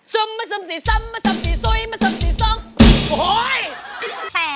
สุมมสุมสี่สำสุมมสี่สุยสุมมสี่สองโอ้โหย